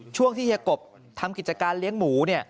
ช่วงที่เฮียกบทำกิจการเลี้ยงหมูเนี่ย